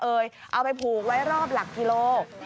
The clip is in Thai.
เอาไปผูกไว้รอบหลักกิโล